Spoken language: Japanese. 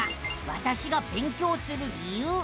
「わたしが勉強する理由」。